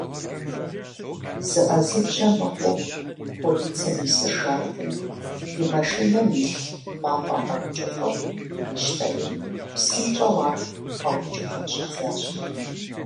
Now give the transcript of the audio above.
ЗыӀэзыбжьэ мыхъуу, полицэм и сержантым и машинэм илъ мафӀэгъэункӀыфӀыр къищтэри, псынщӀэу ар гъэункӀыфӀын щӀидзащ.